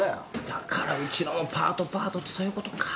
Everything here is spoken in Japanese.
だからうちのもパートパートってそういうことか。